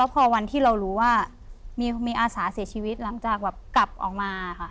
พอวันที่เรารู้ว่ามีอาสาเสียชีวิตหลังจากแบบกลับออกมาค่ะ